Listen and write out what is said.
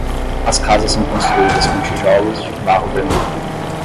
As casas são construídas com tijolos de barro vermelho.